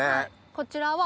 こちらは。